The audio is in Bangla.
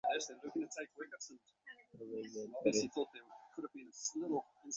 তবে, ভেতরে কয়েকটা বেশ সংকীর্ণ কোণ রয়েছে।